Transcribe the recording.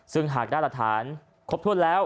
ซึ่งหากได้หลักฐานครบถ้วนแล้ว